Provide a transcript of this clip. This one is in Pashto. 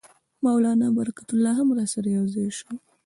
مولنا برکت الله هم راسره یو ځای شو.